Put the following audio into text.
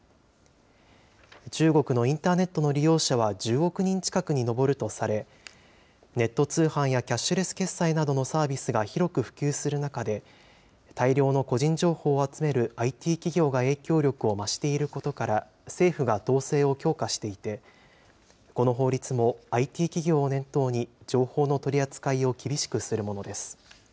中国のインターネットの利用者は１０億人近くに上るとされ、ネット通販やキャッシュレス決済などのサービスが広く普及する中で、大量の個人情報を集めるＩＴ企業が影響力を増していることから、政府が統制を強化していて、この法律もＩＴ企業を念頭に、情報の取り扱いを厳しくするものです。